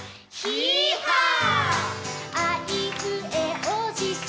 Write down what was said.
「ヒーハー！」